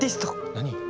何？